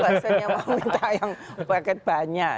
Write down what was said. bahasanya mau minta yang paket banyak